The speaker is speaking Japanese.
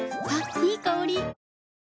いい香り。